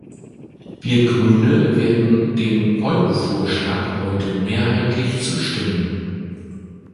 Wir Grüne werden dem Eurovorschlag heute mehrheitlich zustimmen.